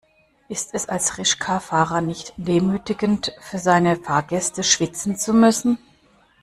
Ist es als Rikscha-Fahrer nicht demütigend, für seine Fahrgäste schwitzen zu müssen?